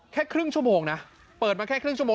แค่ครึ่งชั่วโมงนะเปิดมาแค่ครึ่งชั่วโมง